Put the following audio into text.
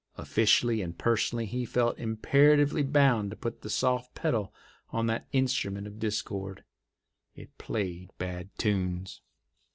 Officially and personally he felt imperatively bound to put the soft pedal on that instrument of discord. It played bad tunes.